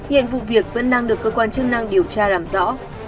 hiện vụ việc vẫn đang được cơ quan chức năng điều tra làm rõ